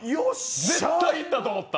絶対いったと思った。